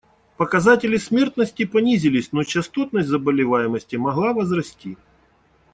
Показатели смертности понизились, но частотность заболеваемости могла возрасти.